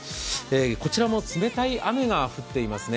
こちらも冷たい雨が降っていますね。